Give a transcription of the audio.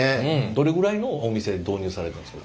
どれぐらいのお店で導入されてますか？